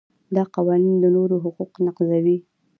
دا قوانین د نورو حقوق نقضوي.